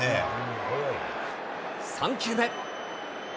３球目。